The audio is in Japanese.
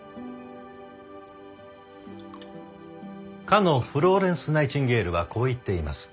かのフローレンス・ナイチンゲールはこう言っています。